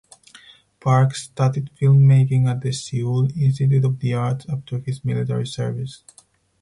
Park studied filmmaking at the Seoul Institute of the Arts after his military service.